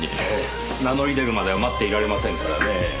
ええ名乗り出るまでは待っていられませんからねぇ。